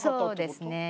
そうですね。